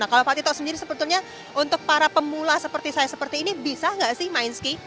nah kalau pak tito sendiri sebetulnya untuk para pemula seperti saya seperti ini bisa nggak sih main ski